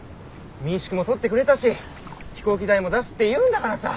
民宿も取ってくれたし飛行機代も出すって言うんだからさ。